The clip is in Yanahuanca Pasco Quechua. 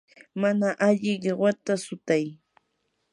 mana alli qiwata sutay.